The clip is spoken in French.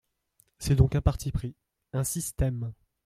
C’est donc un parti pris… un système !